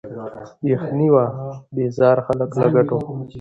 له یخنیه وه بېزار خلک له ګټو